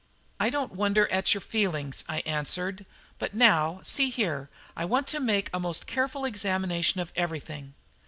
"I don't wonder at your feelings," I answered; "but now, see here, I want to make a most careful examination of everything.